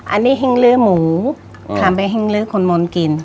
อันนี้หิ้งลื้อหมูถามไปหิ้งลื้อคนมอนกิน